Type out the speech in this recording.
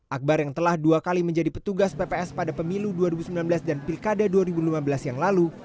akbar yang telah dua kali menjadi petugas pps pada pemilu dua ribu sembilan belas dan pilkada dua ribu lima belas yang lalu